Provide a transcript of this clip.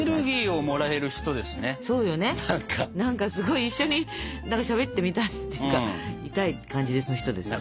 何かすごい一緒にしゃべってみたいっていうかみたい感じの人ですよね。